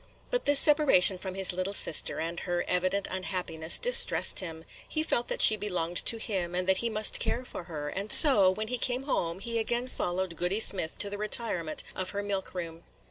But this separation from his little sister, and her evident unhappiness, distressed him; he felt that she belonged to him, and that he must care for her, and so, when he came home, he again followed Goody Smith to the retirement of her milk room.